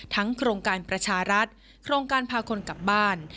โครงการประชารัฐโครงการพาคนกลับบ้าน